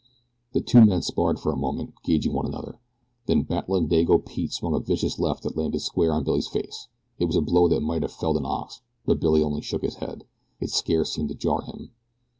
The two men sparred for a moment, gaging one another. Then Battling Dago Pete swung a vicious left that landed square on Billy's face. It was a blow that might have felled an ox; but Billy only shook his head it scarce seemed to jar him.